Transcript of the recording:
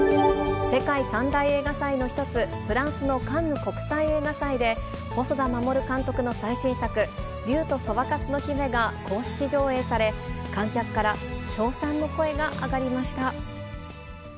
世界三大映画祭の一つ、フランスのカンヌ国際映画祭で、細田守監督の最新作、竜とそばかすの姫が公式上映され、観客から称賛の声が上がりました。